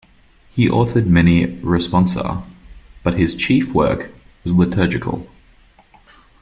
He authored many "Responsa," but his chief work was liturgical.